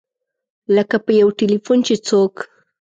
لکه په یو ټیلفون چې څوک.